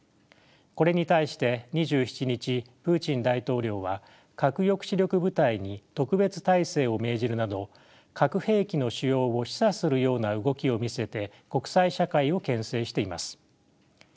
これに対して２７日プーチン大統領は核抑止力部隊に特別態勢を命じるなど核兵器の使用を示唆するような動きを見せて国際社会をけん制しています。